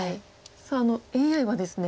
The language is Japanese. さあＡＩはですね